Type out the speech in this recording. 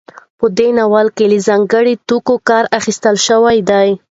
په دې ناول کې له ځانګړو توکو کار اخیستل شوی دی.